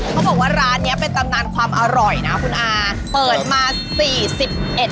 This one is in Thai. เขาบอกว่าร้านนี้เป็นตำนานความอร่อยนะคุณอ่าเปิดมา๔๑ปี